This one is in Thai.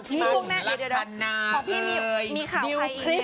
อ๋อพี่ดิว